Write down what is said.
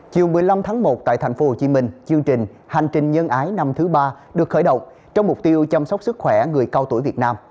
chiều một mươi năm tháng một tại thành phố hồ chí minh chương trình hành trình nhân ái năm thứ ba được khởi động trong mục tiêu chăm sóc sức khỏe người cao tuổi việt nam